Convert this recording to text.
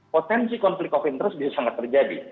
potensi konflik covid sembilan belas bisa sangat terjadi